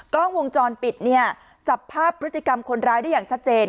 กล้องวงจรปิดเนี่ยจับภาพพฤติกรรมคนร้ายได้อย่างชัดเจน